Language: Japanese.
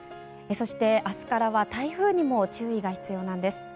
そして、明日からは台風にも注意が必要なんです。